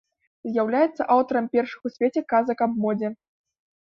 З'яўляецца аўтарам першых у свеце казак аб модзе.